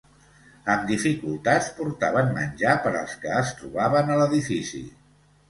Amb dificultats portaven menjar per als que es trobaven a l'edifici